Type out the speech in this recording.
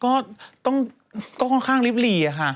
ก็ต้องค่อนข้างลิบหลีค่ะ